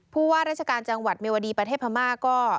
ผู้ว่าราชการจังหวัดเมวดีประเทศพม่าก็